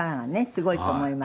すごいと思います。